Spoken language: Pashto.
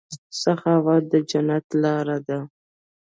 سخاوت د جنت لاره ده.